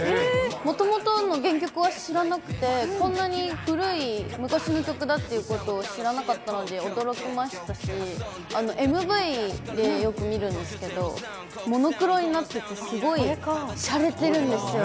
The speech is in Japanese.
もともとの原曲は知らなくて、こんなに古い昔の曲だっていうことを知らなかったので、驚きましたし、ＭＶでよく見るんですけど、モノクロになっててすごい、しゃれてるんですよ。